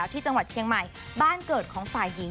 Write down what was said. ที่จังหวัดเชียงใหม่บ้านเกิดของฝ่ายหญิง